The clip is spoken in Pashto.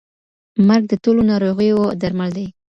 مرګ د ټولو ناروغیو درمل دی.